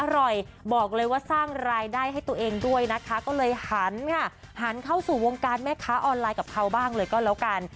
บอกเลยว่าสร้างรายได้ให้ตัวเองด้วยนะคะก็เลยหันค่ะหันเข้าสู่วงการแม่ค้าออนไลน์กับเขาบ้างเลยก็แล้วกัน